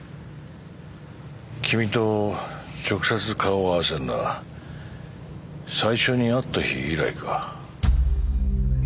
君と直接顔を合わせるのは最初に会った日以来か。